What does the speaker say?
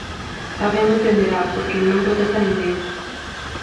Alguén o entenderá porque non protesta nin deus.